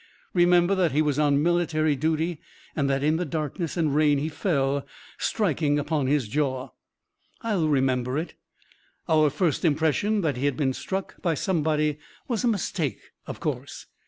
Remember that he was on military duty and that in the darkness and rain he fell, striking upon his jaw." "I'll remember it. Our first impression that he had been struck by somebody was a mistake, of course.